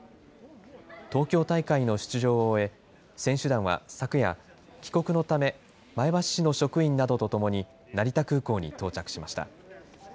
東京大会の出場を終え、選手団は昨夜、帰国のため、前橋市の職員などと共に、成田空港に到着しました。